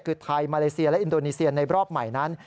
คือไทยมาเลเซียและอินโดนีเซียในรอบใหม่นั้น